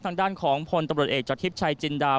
ทางด้านของพลตบริเวศจทิพย์ชัยจินดา